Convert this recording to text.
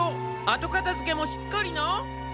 あとかたづけもしっかりな。